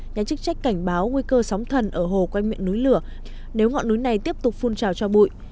nhà chức trách cảnh báo nguy cơ sóng thần ở hồ quanh miệng núi lửa nếu ngọn núi này tiếp tục phun trào cho bụi